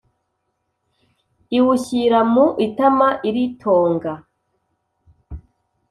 iwushyira mu itama iritonga,